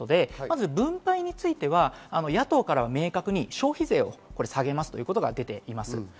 分配については野党からは明確に消費税を下げますということが出ています。